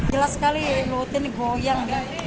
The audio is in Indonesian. jelas sekali lut ini goyang